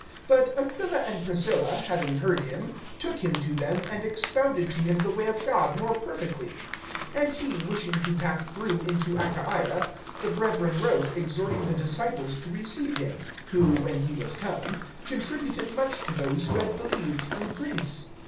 But Aquila and Priscilla, having heard him, took him to them, and expounded to him the way of God more perfectly. (27)And he wishing to pass through into Achaia, the brethren wrote, exhorting the disciples to receive him; who, when he was come, contributed much to those who had believed through grace.